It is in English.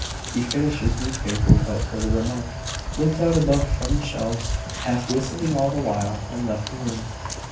He finished his newspaper without further remark, looked out a book from the shelves, half whistling all the while, and left the room.